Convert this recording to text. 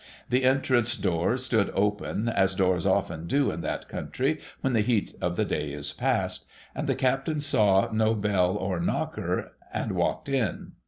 The entrance doors stood open, as doors often do in that country when the heat of the day is past ; and the Captain saw no bell or knocker, and walked in.